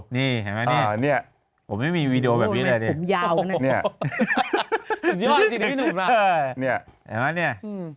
ผมไม่มีวิดีโอแบบนี้เลย